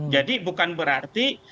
jadi bukan berarti